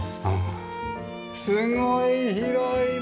すごい広いな！